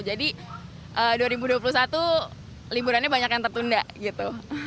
jadi dua ribu dua puluh satu liburannya banyak yang tertunda gitu